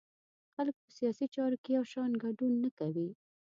خلک په سیاسي چارو کې یو شان ګډون نه کوي.